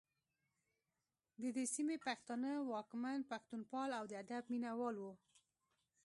د دې سیمې پښتانه واکمن پښتوپال او د ادب مینه وال وو